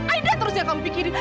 ada terus yang kamu pikirin